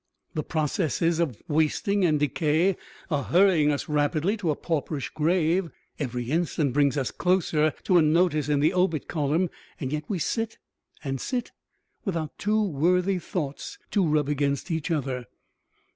The processes of wasting and decay are hurrying us rapidly to a pauperish grave, every instant brings us closer to a notice in the obit column, and yet we sit and sit without two worthy thoughts to rub against each other.